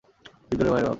ডিপজলের মায়রে বাপ।